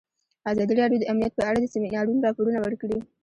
ازادي راډیو د امنیت په اړه د سیمینارونو راپورونه ورکړي.